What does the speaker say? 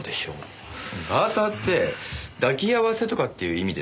バーターって抱き合わせとかっていう意味ですよね。